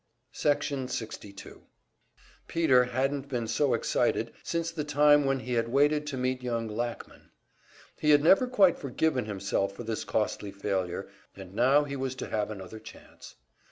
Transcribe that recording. Section 62 Peter hadn't been so excited since the time when he had waited to meet young Lackman. He had never quite forgiven himself for this costly failure, and now he was to have another chance.